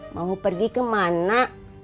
mau pergi kemana